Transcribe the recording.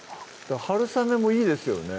春雨もいいですよね